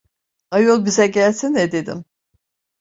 Ayol bize gelsene, dedim.